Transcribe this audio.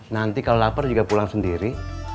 nanti kalau lapar juga pulang sendiri